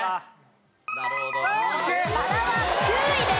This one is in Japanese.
バラは９位です。